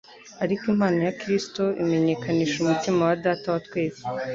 Ariko impano ya Kristo imenyekanisha umutima wa Data wa twese.